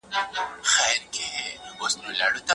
کورونا وېروس اندېښنې زیاتوي.